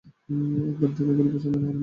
একবার দেখা করি, পছন্দ না হলে মানা করে দিব।